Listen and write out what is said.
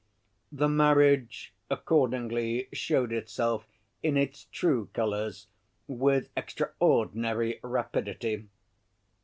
The marriage accordingly showed itself in its true colors with extraordinary rapidity.